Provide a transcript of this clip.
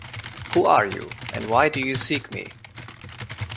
Who are you, and why do you seek me?